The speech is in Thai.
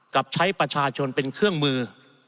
กับใช้ประชาชนเป็นเครื่องมือ